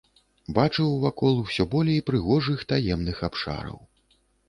Бачыў вакол усё болей прыгожых, таемных абшараў.